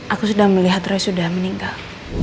aku sudah melihat roy sudah meninggal